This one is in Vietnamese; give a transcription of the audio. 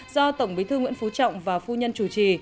do tổng bí thư nguyễn phú trọng và phu nhân chủ trì